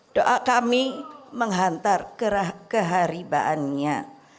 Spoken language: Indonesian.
doa kami menghantar keharibaannya